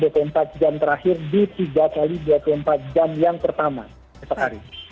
dua puluh empat jam terakhir di tiga x dua puluh empat jam yang pertama esok hari